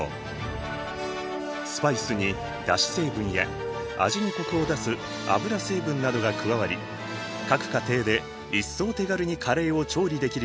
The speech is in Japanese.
スパイスにだし成分や味にコクを出す油成分などが加わり各家庭で一層手軽にカレーを調理できるようになる。